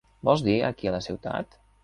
Vols dir aquí a la ciutat?